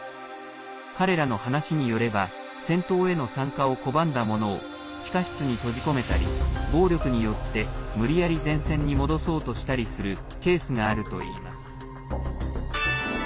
彼らの話によれば戦闘への参加を拒んだ者を地下室に閉じ込めたり暴力によって、無理やり前線に戻そうとしたりするケースがあるといいます。